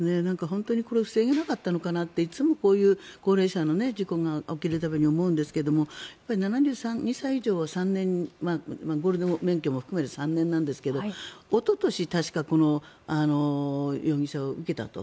本当にこれを防げなかったのかなといつもこういう高齢者の事故が起きる度に思うんですけど７５歳以上ゴールド免許を含めて３年なんですけどおととし、確かこの容疑者は受けたと。